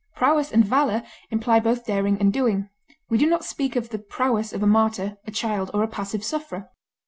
Prowess and valor imply both daring and doing; we do not speak of the prowess of a martyr, a child, or a passive sufferer.